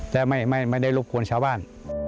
แต่ไม่ได้รบกวนชาวบ้าน